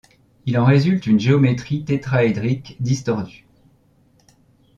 Il en résulte une géométrie tétraédrique distordue.